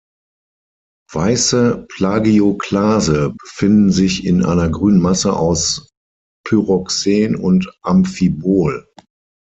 Weiße Plagioklase befinden sich in einer grünen Masse aus Pyroxen und Amphibol.